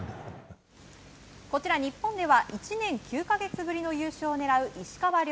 こちら日本では１年９か月ぶりの優勝を狙う石川遼。